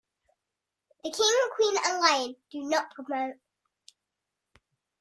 The king, queen, and lion do not promote.